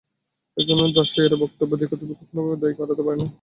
এ ধরনের দায়সারা বক্তব্য দিয়ে কর্তৃপক্ষ কোনোভাবেই দায় এড়াতে পারে না।